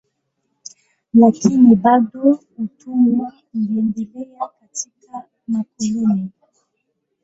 Lakini bado utumwa uliendelea katika makoloni.